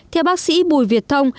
theo bác sĩ bùi việt thông